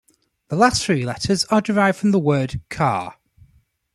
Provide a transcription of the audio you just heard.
The last three letters are derived from the word "car".